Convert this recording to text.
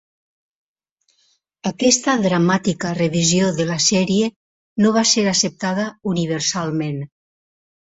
Aquesta dramàtica revisió de la sèrie no va ser acceptada universalment.